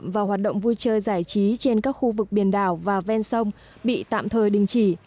và hoạt động vui chơi giải trí trên các khu vực biển đảo và ven sông bị tạm thời đình chỉ